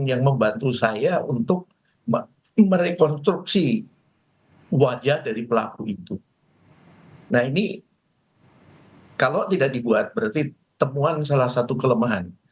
dari tiga tersangka yang saat ini masih buron